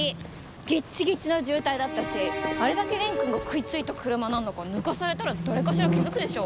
ギッチギチの渋滞だったしあれだけ蓮くんが食いついた車なんだから抜かされたら誰かしら気付くでしょ。